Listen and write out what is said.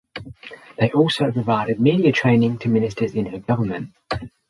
They also provided media training to ministers in her government.